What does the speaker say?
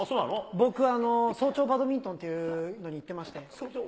僕、早朝バドミントンというのに行ってまして。